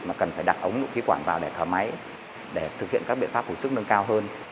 mà cần phải đặt ống nụ khí quảng vào để thở máy để thực hiện các biện pháp hữu sức nâng cao hơn